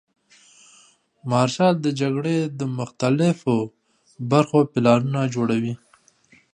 مارشال د جګړې د مختلفو برخو پلانونه جوړوي.